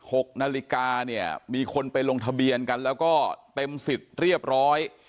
หกนาฬิกาเนี่ยมีคนไปลงทะเบียนกันแล้วก็เต็มสิทธิ์เรียบร้อย